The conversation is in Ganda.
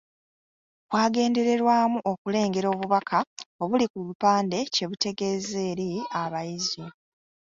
Kwagendererwamu okulengera obubaka obuli ku bupande kye butegeeza eri abayizi.